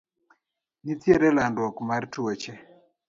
Nitiere landruok mar tuoche.